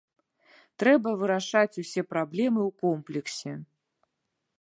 Трэба вырашаць усе праблемы ў комплексе.